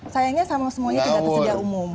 sayangnya sama semuanya tidak tersedia umum